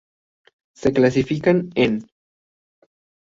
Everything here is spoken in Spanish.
Se clasifican en